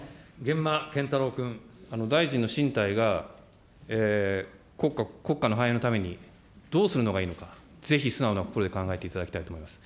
大臣の進退が国家の繁栄のために、どうするのがいいのか、ぜひ素直な心で考えていただきたいと思います。